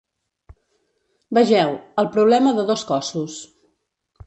Vegeu: el problema de dos cossos.